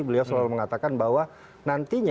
beliau selalu mengatakan bahwa nantinya